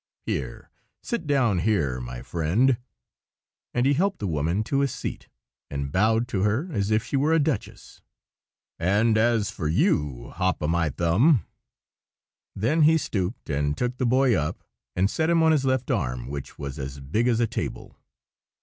Here, sit down here, my friend!" and he helped the woman to his seat, and bowed to her as if she were a duchess. "And as for you, Hop o' my thumb—" Then he stooped and took the Boy up, and set him on his left arm, which was as big as a table.